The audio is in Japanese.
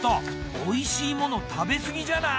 おいしいもの食べすぎじゃない？